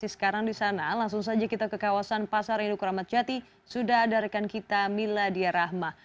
sekarang di sana langsung saja kita ke kawasan pasar indukuramat jati sudah ada rekan kita mila diyarahma